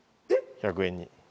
１００円に。